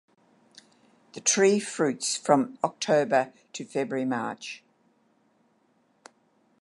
The tree fruits from October to February–March.